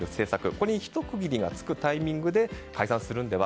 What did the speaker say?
ここにひと区切りがつくタイミングで解散するのでは？